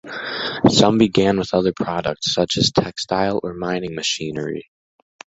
Some began with other products, such as textile or mining machinery.